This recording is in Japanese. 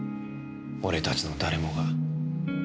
俺たちの誰もが。